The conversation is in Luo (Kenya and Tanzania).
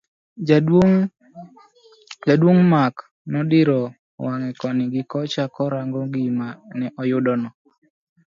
Jaduong' Mark nodiro wang'e koni gi kocha korango gima ne oyude no.